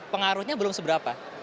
pengaruhnya belum seberapa